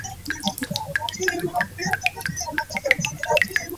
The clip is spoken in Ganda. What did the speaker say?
Ate ye Muhanguzi wa luganda ne Minisita Elly Tumwine.